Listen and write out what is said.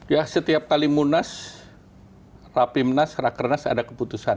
ya setiap kali munas rapimnas rakernas ada keputusan